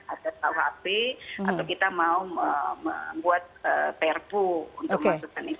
atau kita mau membuat prpu untuk memasukkan itu